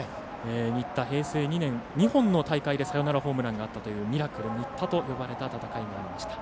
新田、平成２年２本の大会でサヨナラホームランがあったミラクル新田と呼ばれた戦いになりました。